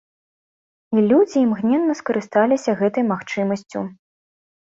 І людзі імгненна скарысталіся гэтай магчымасцю.